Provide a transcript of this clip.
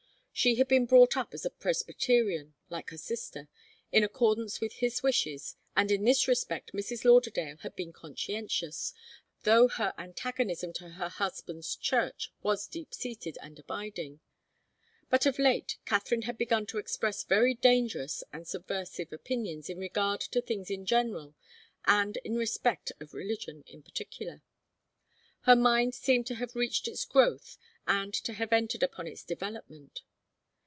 She had been brought up as a Presbyterian, like her sister, in accordance with his wishes, and in this respect Mrs. Lauderdale had been conscientious, though her antagonism to her husband's church was deep seated and abiding. But of late Katharine had begun to express very dangerous and subversive opinions in regard to things in general and in respect of religion in particular. Her mind seemed to have reached its growth and to have entered upon its development.